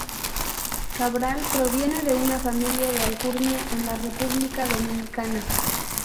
Cabral proviene de una familia de alcurnia en la República Dominicana.